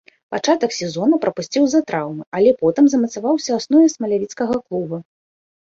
Пачатак сезона прапусціў з-за траўмы, але потым замацаваўся ў аснове смалявіцкага клуба.